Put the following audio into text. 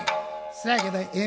そやけどええ